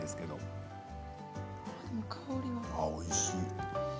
おいしい。